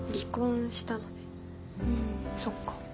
うんそっか。